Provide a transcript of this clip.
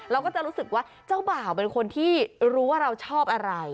เราก็จะรู้สึกว่าเจ้าบ่าวเป็นคนที่รู้ว่าเราชอบอะไร